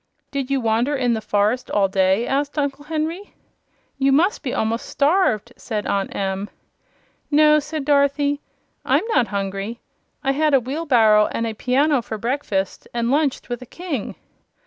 "Did you wander in the forest all day?" asked Uncle Henry. "You must be a'most starved!" said Aunt Em. "No," said Dorothy, "I'm not hungry. I had a wheelbarrow and a piano for breakfast, and lunched with a King."